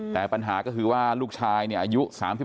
แต่ปัญหาก็คือว่าลูกชายเนี่ยอายุ๓๒